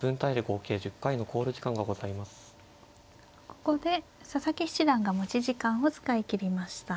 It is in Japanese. ここで佐々木七段が持ち時間を使いきりました。